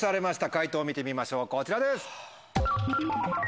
解答見てみましょうこちらです！